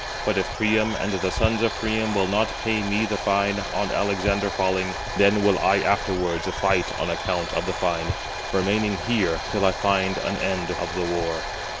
But if Priam and the sons of Priam will not pay me the fine, on Alexander falling, then will I afterwards fight on account of the fine, remaining here till I find an end of the war."